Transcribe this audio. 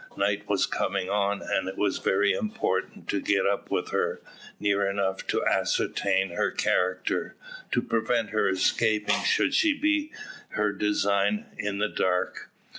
Night was coming on, and it was very important to get up with her, near enough to ascertain her character, to prevent her escaping, should such be her design, in the dark.